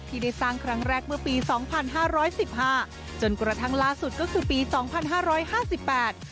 ที่ได้สร้างครั้งแรกเมื่อปีสองพันห้าร้อยสิบห้าจนกระทั่งล่าสุดก็คือปีสองพันห้าร้อยห้าสิบแปด